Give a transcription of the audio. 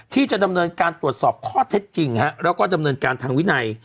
ที่จะดำเนินการตรวจสอบข้อเท็จจริงแล้วก็ดำเนินการทางวินัย